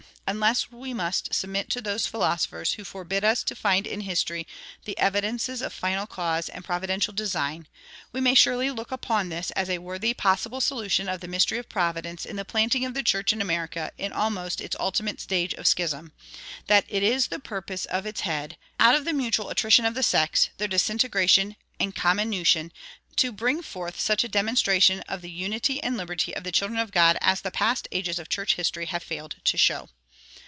Unless we must submit to those philosophers who forbid us to find in history the evidences of final cause and providential design, we may surely look upon this as a worthy possible solution of the mystery of Providence in the planting of the church in America in almost its ultimate stage of schism that it is the purpose of its Head, out of the mutual attrition of the sects, their disintegration and comminution, to bring forth such a demonstration of the unity and liberty of the children of God as the past ages of church history have failed to show.